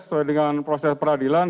sesuai dengan proses peradilan